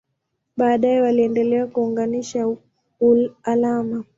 Baadaye waliendelea kuunganisha alama.